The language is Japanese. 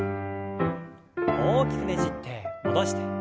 大きくねじって戻して。